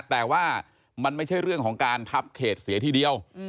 แต่ว่ามันไม่ใช่เรื่องของการทับเขตเสียทีเดียว